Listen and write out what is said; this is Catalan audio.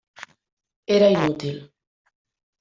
Era inútil.